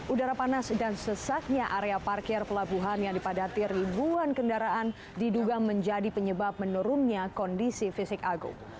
udara panas dan sesaknya area parkir pelabuhan yang dipadati ribuan kendaraan diduga menjadi penyebab menurunnya kondisi fisik agung